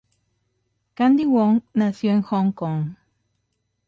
Kandy Wong nació en Hong Kong.